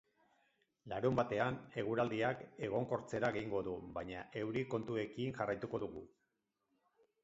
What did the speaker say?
Larunbatean eguraldiak egonkortzera egingo du, baina euri kontuekin jarraituko dugu.